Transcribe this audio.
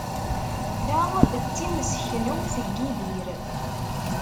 Ta d timseknewt n Yidir.